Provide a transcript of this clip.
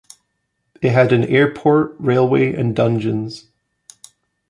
It had an airport, railway and dungeons.